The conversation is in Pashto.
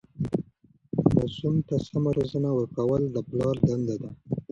ماسوم ته سمه روزنه ورکول د پلار دنده ده.